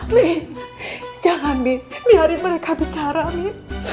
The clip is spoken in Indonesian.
min jangan min biarin mereka bicara min